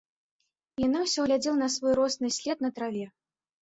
Яна ўсё глядзела на свой росны след на траве.